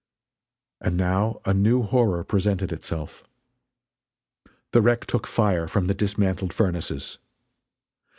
And now a new horror presented itself. The wreck took fire from the dismantled furnaces!